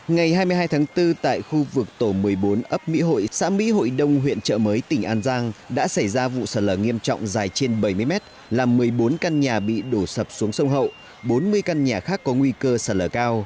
ngày hai mươi hai tháng bốn tại khu vực tổ một mươi bốn ấp mỹ hội xã mỹ hội đông huyện trợ mới tỉnh an giang đã xảy ra vụ sạt lở nghiêm trọng dài trên bảy mươi mét làm một mươi bốn căn nhà bị đổ sập xuống sông hậu bốn mươi căn nhà khác có nguy cơ sạt lở cao